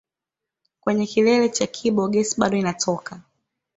Kwenye kilele cha Kibo gesi bado inatoka